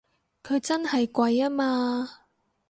佢真係貴吖嘛！